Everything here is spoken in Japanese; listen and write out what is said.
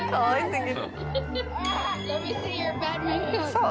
そう。